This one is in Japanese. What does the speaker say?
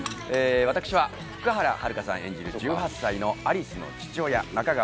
私は福原遥さん演じる１８歳の有栖の父親仲川